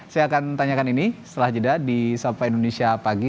saya akan tanyakan ini setelah jeda di sapa indonesia pagi